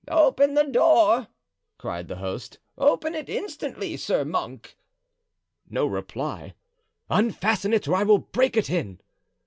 "Open the door!" cried the host; "open it instantly, sir monk!" No reply. "Unfasten it, or I will break it in!"